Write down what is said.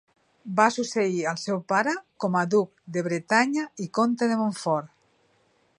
Va succeir al seu pare com a duc de Bretanya i comte de Montfort.